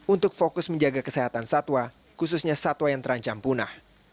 untuk fokus menjaga kesehatan satwa khususnya satwa yang terancam punah